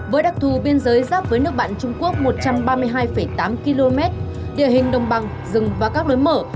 với đặc thù biên giới giáp với nước bạn trung quốc một trăm ba mươi hai tám km địa hình đồng bằng rừng và các lối mở